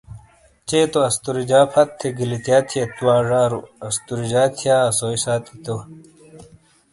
چے تو استوریجا پھت تھے گیلتیا تھیت وا ژارو استوریجا تھیا اسوئی ساتی تو